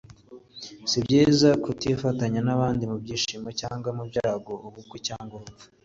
Si byiza kutifatanya n’abandi mu byishimo cyangwa mu byago, ubukwe cyangwa urupfu